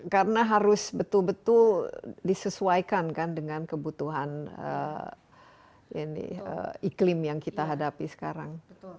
karena harus betul betul disesuaikan dengan kebutuhan iklim yang kita hadapi sekarang